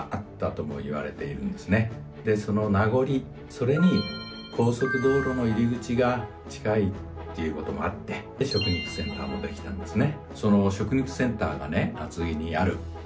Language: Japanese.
それに高速道路の入り口が近いっていうこともあって食肉センターもできたんですね。